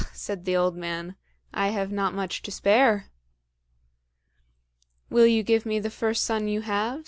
said the old man, "I have not much to spare." "Will you give me the first son you have?"